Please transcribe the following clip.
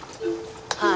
はい。